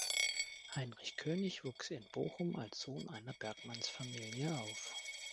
Heinrich König wuchs in Bochum als Sohn einer Bergmannsfamilie auf.